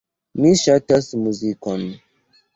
Mi ŝatas muzikon.